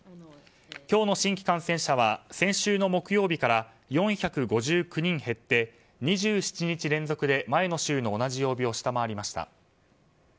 今日の新規感染者は先週の木曜日から４５９人減って２７日連続で前の週の同じ曜日を下回りました。